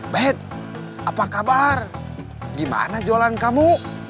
bed apa kabar gimana jualan kamu